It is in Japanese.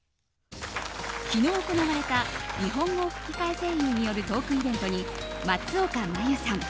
昨日、行われた日本語吹き替え声優によるトークイベントに松岡茉優さん